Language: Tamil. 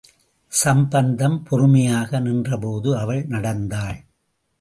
சம்பந்தம் பொறுமையாக நின்றபோது அவள் நடந்தாள்.